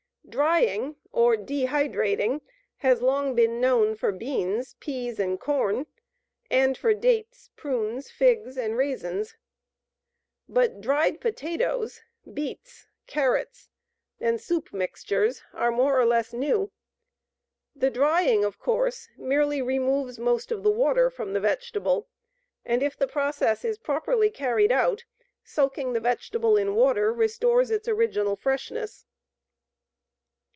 Drying, or dehydrating, has long been known for beans, peas, and corn, and for dates, prunes, figs, and raisins. But dried potatoes, beets, carrots, and "soup mixtures" are more or less new. The drying, of course, merely removes most of the water from the vegetable, and if the process is properly carried out, soaking the vegetable in water restores its original freshness.